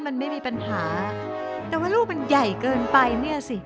มันไม่มีปัญหาแต่ว่าลูกมันใหญ่เกินไปเนี่ยสิ